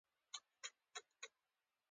توییږي او بیا ځپلې وده کوي